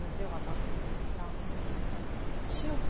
いったん。